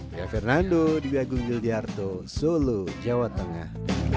saya fernando di bia gunggil di ardo solo jawa tengah